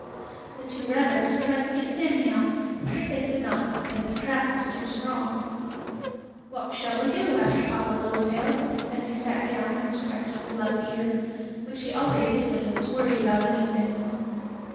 The two rabbits tried to get Sammie out, but they could not, because the trap was too strong. "What shall we do?" asked Papa Littletail, as he sat down and scratched his left ear, which he always did when he was worried about anything.